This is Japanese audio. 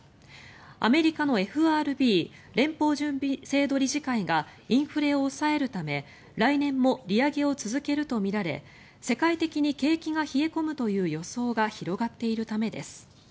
アメリカのＦＲＢ・連邦準備制度理事会がインフレを抑えるため来年も利上げを続けるとみられ世界的に景気が冷え込むという予想が広がっているためです。